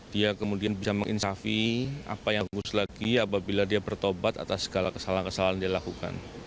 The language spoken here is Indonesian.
dia kemudian bisa menginsafi apa yang khusus lagi apabila dia bertobat atas segala kesalahan kesalahan yang dilakukan